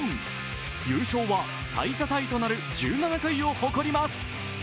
優勝は、最多タイとなる１７回を誇ります。